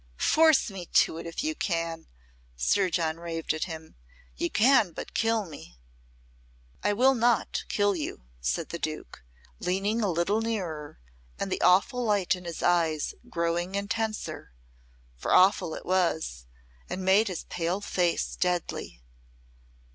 "Force me to it, if you can," Sir John raved at him. "You can but kill me!" "I will not kill you," said the Duke, leaning a little nearer and the awful light in his eyes growing intenser for awful it was and made his pale face deadly.